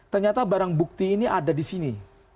ternyata barang bukti ini ada di sini